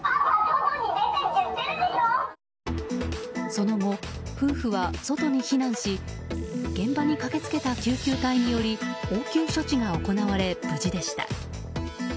その後、夫婦は外に避難し現場に駆けつけた救急隊により応急処置が行われ、無事でした。